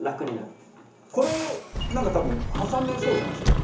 これなんか多分挟めそうじゃないですか。